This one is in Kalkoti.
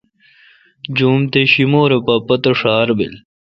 جوم تے شیمور اے پا پتہ ڄھار بیل۔